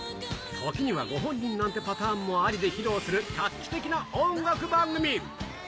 時にはご本人なんてパターンもありで披露する画期的な音楽番組。